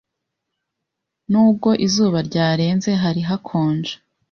Nubwo izuba ryarenze, hari hakonje.